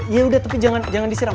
yaudah tapi jangan disiram